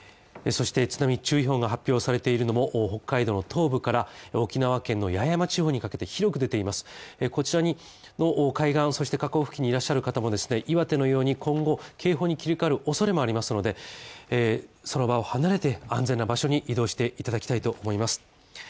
そして津波注意報が発表されているのも北海道の東部から沖縄県の八重山地方にかけて広く出ています海岸そして河口付近にいらっしゃる方もですね岩手のように今後警報に切り替える恐れもありますのでその場を離れて、安全な場所に移動していただきたいと思います。